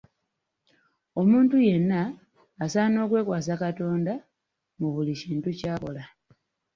Omuntu yenna asaana okwekwasa Katonda mu buli kintu ky'akola.